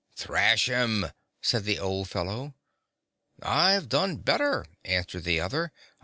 " Thrash him," said the old fellow. "I 've done better," answered the other.